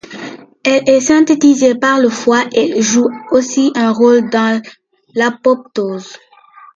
Elle est synthétisée par le foie et joue aussi un rôle dans l'apoptose.